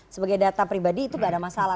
sebagai data pribadi itu gak ada masalah